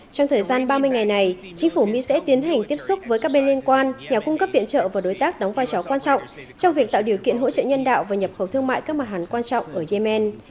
trong thời gian ba mươi ngày này chính phủ mỹ sẽ tiến hành tiếp xúc với các bên liên quan nhà cung cấp viện trợ và đối tác đóng vai trò quan trọng trong việc tạo điều kiện hỗ trợ nhân đạo và nhập khẩu thương mại các mặt hẳn quan trọng ở yemen